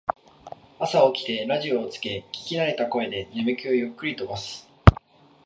朝起きてラジオをつけ聞きなれた声で眠気をゆっくり飛ばす